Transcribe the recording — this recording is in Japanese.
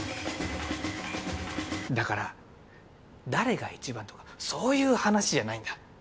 だから誰がいちばんとかそういう話じゃないんだ。